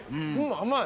甘い。